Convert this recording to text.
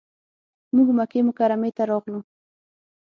موږ مکې مکرمې ته راغلو.